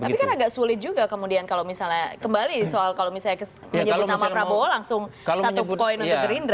tapi kan agak sulit juga kemudian kalau misalnya kembali soal kalau misalnya menyebut nama prabowo langsung satu poin untuk gerindra